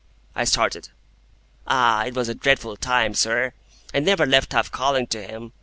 '" I started. "Ah! it was a dreadful time, sir. I never left off calling to him.